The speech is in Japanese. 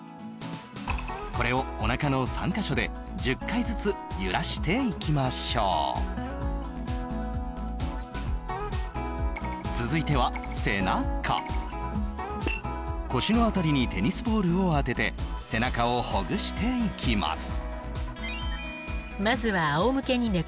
これをお腹の３カ所で１０回ずつ揺らしていきましょう続いては腰の辺りにテニスボールを当てて背中をほぐしていきます